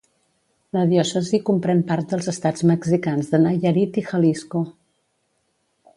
La diòcesi comprèn part dels estats mexicans de Nayarit i Jalisco.